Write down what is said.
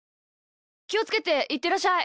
きをつけていってらっしゃい！